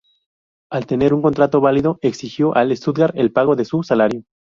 Al tener un contrato válido, exigió al Stuttgart el pago de su salario.